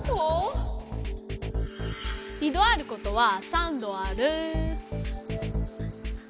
二度あることは三度ある。